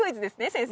先生。